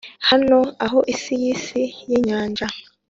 hano, aho isi yisi yinyanja